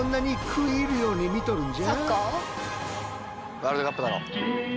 ワールドカップだろ。